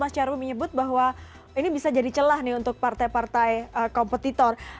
mas nyarwi menyebut bahwa ini bisa jadi celah nih untuk partai partai kompetitor